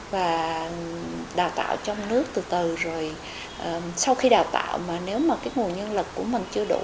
và đào tạo trong nước từ từ rồi sau khi đào tạo mà nếu mà cái nguồn nhân lực của mình chưa đủ